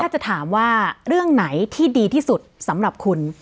ถ้าจะถามว่าเรื่องไหนที่ดีที่สุดสำหรับคุณ